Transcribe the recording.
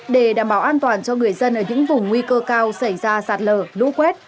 để đảm bảo an toàn cho người dân ở những vùng nguy cơ cao xảy ra sạt lở lũ quét